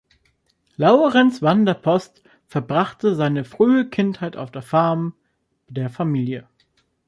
Laurens van der Post verbrachte seine frühe Kindheit auf der Farm der Familie.